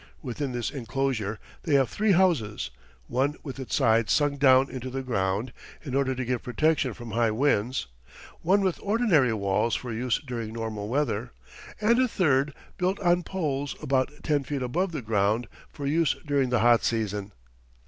Within this enclosure they have three houses: one with its sides sunk down into the ground, in order to give protection from high winds; one with ordinary walls for use during normal weather; and a third built on poles about ten feet above the ground for use during the hot season.